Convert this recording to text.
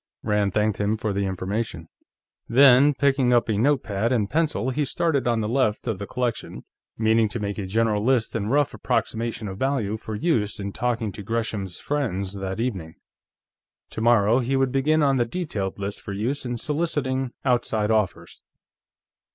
Rand thanked him for the information. Then, picking up a note pad and pencil, he started on the left of the collection, meaning to make a general list and rough approximation of value for use in talking to Gresham's friends that evening. Tomorrow he would begin on the detailed list for use in soliciting outside offers.